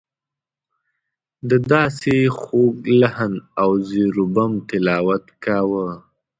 ده داسې خوږ لحن او زیر و بم تلاوت کاوه.